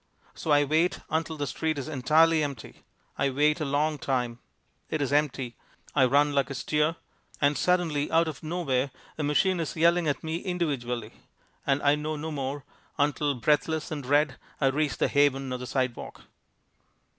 So I wait until the street is entirely empty. I wait a long time it is empty I run like a steer and suddenly out of nowhere a machine is yelling at me individually and I know no more until, breathless and red, I reach the haven of the sidewalk.